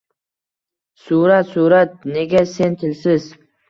Surat, surat! Nega sen tilsiz?..